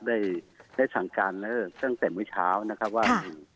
ได้ได้สั่งการแล้วตั้งแต่เมื่อเช้านะครับว่า